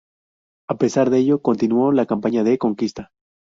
A pesar de ello, continuó la campaña de conquista.